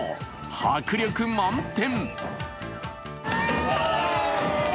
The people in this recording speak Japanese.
迫力満点。